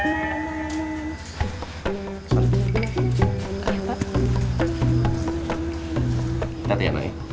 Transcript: kita tiap lagi